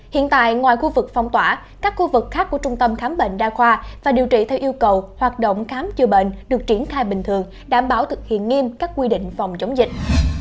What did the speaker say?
hiện tại ngoài khu vực phong tỏa các khu vực khác của trung tâm khám bệnh đa khoa và điều trị theo yêu cầu hoạt động khám chữa bệnh được triển khai bình thường đảm bảo thực hiện nghiêm các quy định phòng chống dịch